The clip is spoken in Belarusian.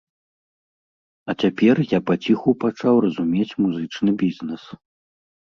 А цяпер я паціху пачаў разумець музычны бізнэс.